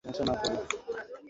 ডিফেন্সে দুর্বলদের জায়গা নেই।